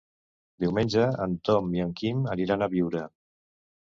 Diumenge en Tom i en Quim aniran a Biure.